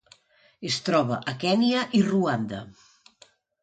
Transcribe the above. Es troba a Kenya i Ruanda.